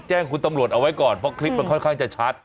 แจ้งคุณตำรวจเอาไว้ก่อนเพราะคลิปมันค่อนข้างจะชัด